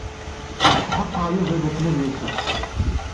Tḥeqqeɣ dakken Yuba ad yasem.